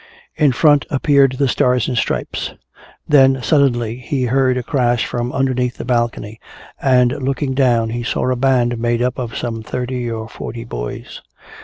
In front appeared the Stars and Stripes. Then suddenly he heard a crash from underneath the balcony, and looking down he saw a band made up of some thirty or forty boys.